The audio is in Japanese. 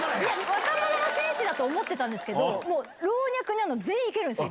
若者の聖地だと思ってたんですけど老若男女全員行けるんすよ。